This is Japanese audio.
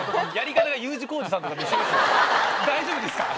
大丈夫ですか？